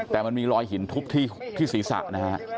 แต่มันมีรอยหินทุบที่ศีรษะนะฮะ